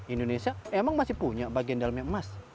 indonesia emang masih punya bagian dalamnya emas